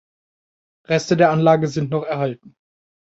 Reste der Anlage sind noch erhalten.